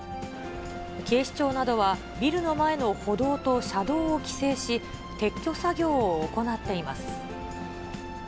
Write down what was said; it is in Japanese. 警視庁などは、ビルの前の歩道と車道を規制し、撤去作業を行っています。